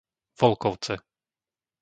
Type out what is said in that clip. Volkovce